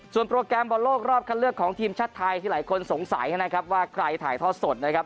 โปรแกรมบอลโลกรอบคันเลือกของทีมชาติไทยที่หลายคนสงสัยนะครับว่าใครถ่ายทอดสดนะครับ